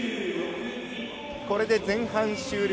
これで前半終了。